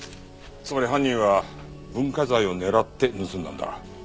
つまり犯人は文化財を狙って盗んだんだ。